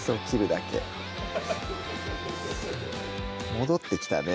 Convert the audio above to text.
戻ってきたね